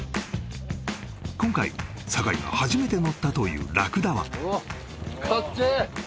今回堺が初めて乗ったというラクダは・かっけえ！